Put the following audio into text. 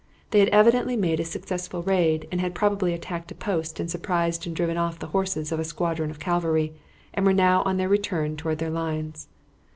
They had evidently made a successful raid, and had probably attacked a post and surprised and driven off the horses of a squadron of cavalry, and were now on their return toward their lines.